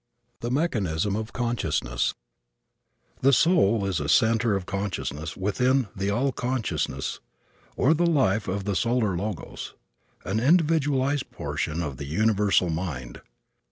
THE MECHANISM OF CONSCIOUSNESS The soul is a center of consciousness within the all consciousness, or the life of the solar Logos; an individualized portion of the universal mind.